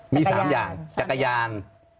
มี๓อย่าง